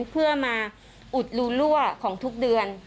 เพื่อมาอุดรูรั่วของทุกเดือน